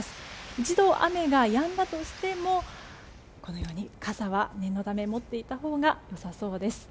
一度、雨がやんだとしてもこのように傘は、念のため持っていたほうが良さそうです。